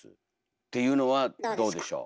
っていうのはどうでしょう？